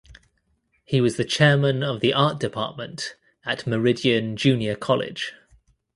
He was the chairman of the art department at Meridian Junior College.